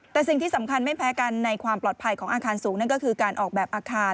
แต่สิ่งที่สำคัญไม่แพ้กันในความปลอดภัยของอาคารสูงนั่นก็คือการออกแบบอาคาร